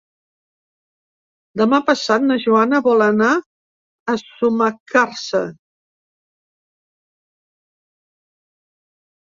Demà passat na Joana vol anar a Sumacàrcer.